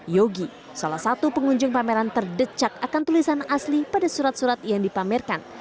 yogi salah satu pengunjung pameran terdecak akan tulisan asli pada surat surat yang dipamerkan